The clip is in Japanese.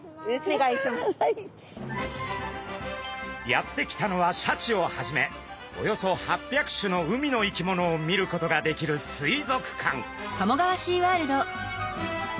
やって来たのはシャチをはじめおよそ８００種の海の生き物を見ることができる水族館。